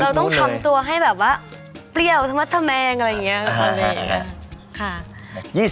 เราต้องทำตัวให้แบบว่าเปรี้ยวธรรมธแมงอะไรอย่างนี้